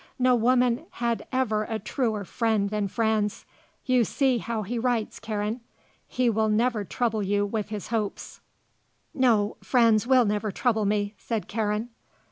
"No woman had ever a truer friend than Franz. You see how he writes, Karen. He will never trouble you with his hopes." "No; Franz will never trouble me," said Karen.